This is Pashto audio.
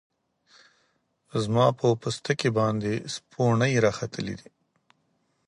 زما په پوستکی باندی سپوڼۍ راختلې دی